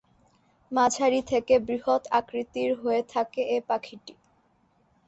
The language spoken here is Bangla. মাঝারি থেকে বৃহৎ আকৃতির হয়ে থাকে এ পাখিটি।